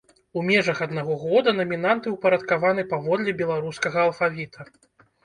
У межах аднаго года намінанты ўпарадкаваны паводле беларускага алфавіта.